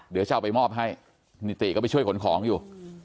เดี๋ยวจะเอาไปมอบให้นิติก็ไปช่วยขนของอยู่